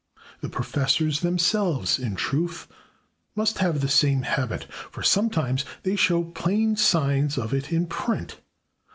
The professors themselves, in truth, must have the same habit, for sometimes they show plain signs of it in print.